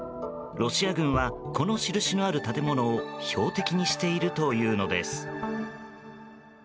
ロシア軍は、この印のある建物を標的にしているというのです。